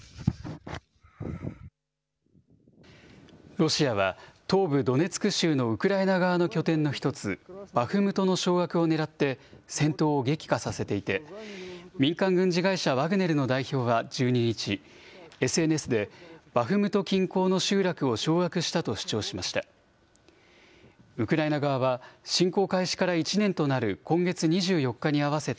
ロシアは、東部ドネツク州のウクライナ側の拠点の一つ、バフムトの掌握をねらって戦闘を激化させていて、民間軍事会社ワグネルの代表は、１２日、ＳＮＳで、バフムト近郊の集落を掌握したと主張しました。